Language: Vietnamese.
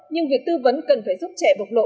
nhưng việc tư vấn cần phải giúp trẻ bộc lộ